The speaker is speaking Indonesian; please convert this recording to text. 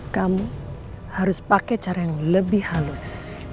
kamu harus pakai cara yang lebih halus